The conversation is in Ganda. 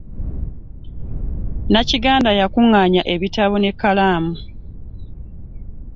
Nakiganda y'akungaanya ebitabo ne kkalaamu.